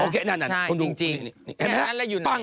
ใช่จริง